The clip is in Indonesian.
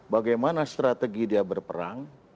bagaimana strategi dia berperang